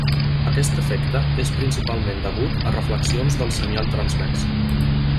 Aquest efecte és principalment degut a reflexions del senyal transmès.